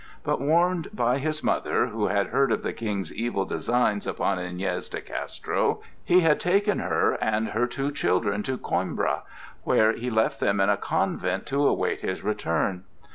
But warned by his mother, who had heard of the King's evil designs upon Iñez de Castro, he had taken her and her two children to Coimbra, where he left them in a convent to await his return.